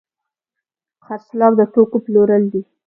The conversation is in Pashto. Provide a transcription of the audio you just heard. خرڅلاو د توکو پلورل دي.